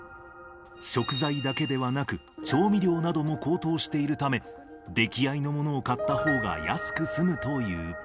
食材だけではなく、調味料なども高騰しているため、出来合いのものを買ったほうが安く済むという。